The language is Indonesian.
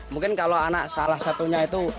mungkin kalau anak salah satunya itu